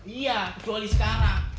iya kecuali sekarang